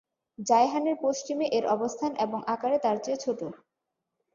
জায়হানের পশ্চিমে এর অবস্থান এবং আকারে তারচেয়ে ছোট।